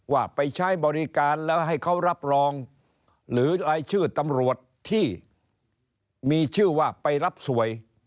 ว่าไปใช้บริการแล้วให้เขารับรองหรือรายชื่อตำรวจที่มีชื่อว่าไปรับสวย